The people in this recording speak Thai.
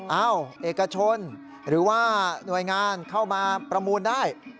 เอ้าเอกชนหรือว่าหน่วยงานเข้ามาประมูลได้